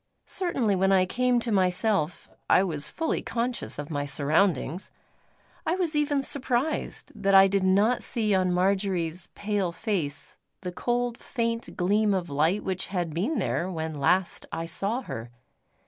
Certainly, when I came to myself I was fully conscious of my surroundings. I was even surprised that I did not see on Marjory's pale face, the cold faint gleam of light which had been there when last I saw her.